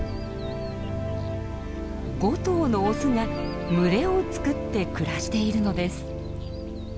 ５頭のオスが群れを作って暮らしているのです。